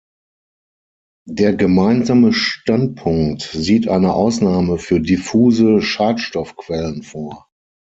Der Gemeinsame Standpunkt sieht eine Ausnahme für diffuse Schadstoffquellen vor.